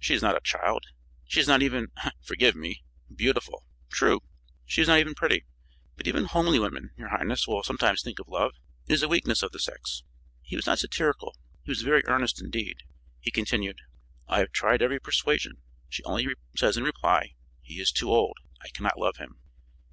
She is not a child; she is not even forgive me beautiful." "True. She is not even pretty, but even homely women, your highness, will sometimes think of love. It is a weakness of the sex." He was not satirical; he was very earnest indeed. He continued: "I have tried every persuasion. She only says in reply: 'He is too old. I cannot love him.'"